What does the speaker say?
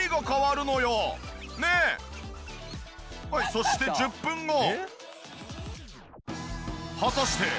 そして１０分後。